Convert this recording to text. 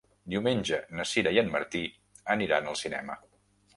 Diumenge na Sira i en Martí aniran al cinema.